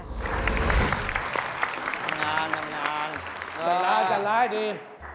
งานจัดร้านดี